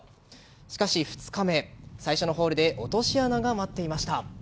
しかし２日目最初のホールで落とし穴が待っていました。